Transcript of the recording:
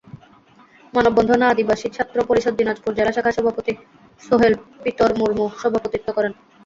মানববন্ধনে আদিবাসী ছাত্র পরিষদ দিনাজপুর জেলা শাখার সভাপতি সোহেল পিতরমুর্মু সভাপতিত্ব করেন।